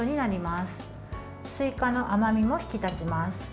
すいかの甘みも引き立ちます。